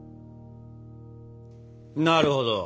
なるほど。